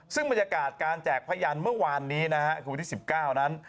ซึ่งบรรยากาศการแจกพยานเมื่อวานนี้นะฮะคือวันที่๑๙นั้น